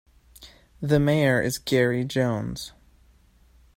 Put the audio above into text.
The mayor is Gary Jones.